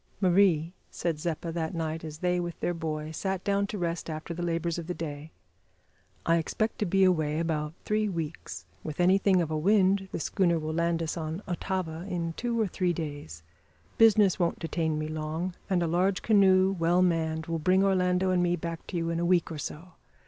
"Marie," said Zeppa that night as they, with their boy, sat down to rest after the labours of the day, "I expect to be away about three weeks. With anything of a wind the schooner will land us on Otava in two or three days. Business won't detain me long, and a large canoe, well manned, will bring Orlando and me back to you in a week or so.